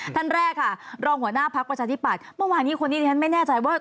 ท่านแรกลองหัวหน้าพักประชาทิปัชย์มันวานที่คอนี้ท่านไม่แน่ใจว่า